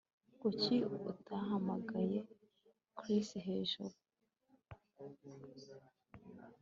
Kuki utahamagaye Chris hejuru